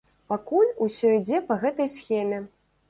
Пакуль усё ідзе па гэтай схеме.